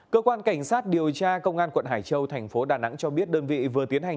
cơ quan cảnh sát điều tra công an quận hải châu thành phố đà nẵng cho biết đơn vị vừa tiến hành